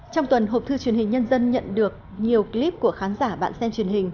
trong tuần hộp thư truyền hình nhân dân nhận được nhiều clip của khán giả bạn xem truyền hình